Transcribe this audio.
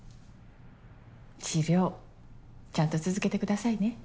治療ちゃんと続けてくださいね。